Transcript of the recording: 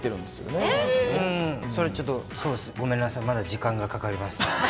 それ、ちょっとごめんなさい、まだ時間がかかります。